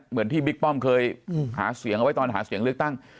เหมือนที่บิ๊กป้อมเคยหาเสียงเอาไว้ตอนหาเสียงเลือกตั้ง